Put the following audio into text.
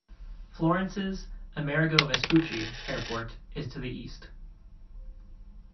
Florence's "Amerigo Vespucci" airport is to the east.